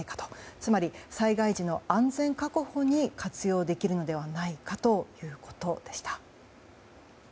つまり、災害時の安全確保に活用できるのではないかということでした。